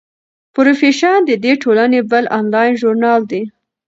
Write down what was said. پروفیشن د دې ټولنې بل انلاین ژورنال دی.